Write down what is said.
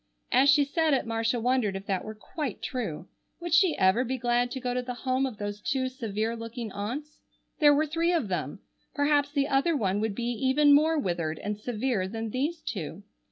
As she said it Marcia wondered if that were quite true. Would she ever be glad to go to the home of those two severe looking aunts? There were three of them. Perhaps the other one would be even more withered and severe than these two.